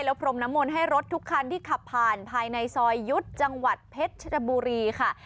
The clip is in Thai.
พรมน้ำมนต์ให้รถทุกคันที่ขับผ่านภายในซอยยุทธ์จังหวัดเพชรชบุรีค่ะ